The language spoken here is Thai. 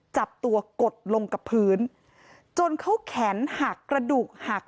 จับตัวกดลงกับพื้นจนเขาแขนหักกระดูกหัก